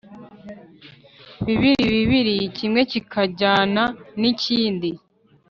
bibiri bibiri, kimwe kikajyana n’ikindi.